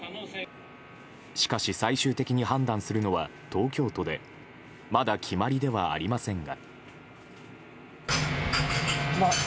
しかし最終的に判断するのは東京都でまだ決まりではありませんが。